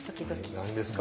何ですか？